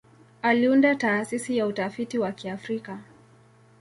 Aliunda Taasisi ya Utafiti wa Kiafrika.